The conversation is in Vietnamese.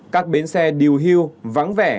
các bến xe điều hưu vắng vẻ